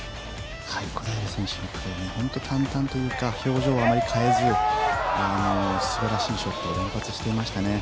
小平選手のプレーは本当に淡々というか表情をあまり変えず素晴らしいショットを連発していましたね。